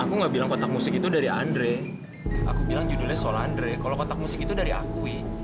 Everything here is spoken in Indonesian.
aku nggak bilang kotak musik itu dari andre aku bilang judulnya soal andre kalau kotak musik itu dari aku wi